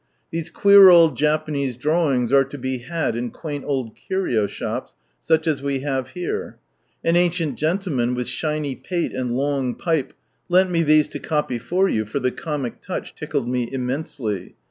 These queer crfd Japanese drawings are to be had in <)iiaini old curio shops, such as we hare here. .\n ancient genilcnian, with thlnf pale, and long pipe, lent me these to copy for yoo, for the comic toach tickled roc immenfely.